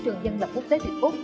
trường dân lập quốc tế việt úc